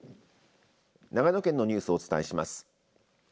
長野県のニュースをお伝えします。